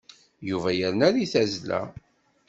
Yuba yerna deg tazzla.